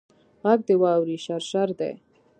غږ د واورې شرشر دی